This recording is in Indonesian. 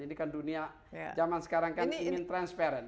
ini kan dunia zaman sekarang kan ingin transparent